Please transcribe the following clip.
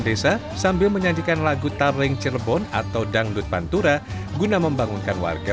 desa sambil menyanyikan lagu taring cirebon atau dangdut pantura guna membangunkan warga